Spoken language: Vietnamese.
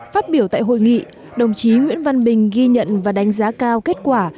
phát biểu tại hội nghị đồng chí nguyễn văn bình ghi nhận và đánh giá cao kết quả